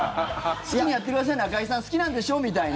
好きにやってください、中居さん好きなんでしょ？みたいな。